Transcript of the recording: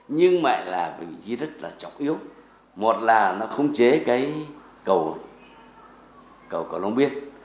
nhưng mà là vị trí rất là trọng yếu một là nó không chế cái cầu cầu cổ long biên